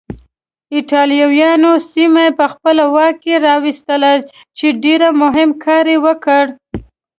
ایټالویانو سیمه یې په خپل واک کې راوستله چې ډېر مهم کار یې وکړ.